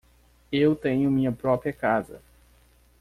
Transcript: Eu tenho minha própria casa.